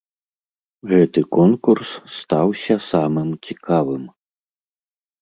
Гэты конкурс стаўся самым цікавым.